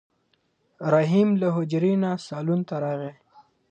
رحیم له حجرې نه صالون ته راغی.